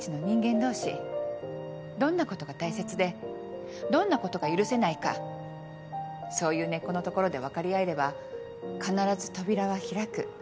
どんなことが大切でどんなことが許せないかそういう根っこのところで分かり合えれば必ず扉は開く。